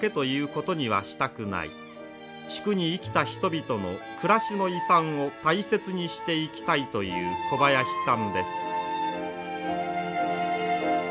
宿に生きた人々の暮らしの遺産を大切にしていきたいという小林さんです。